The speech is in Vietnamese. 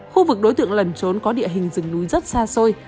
khu vực đối tượng lẩn trốn có địa hình rừng núi rất xa xôi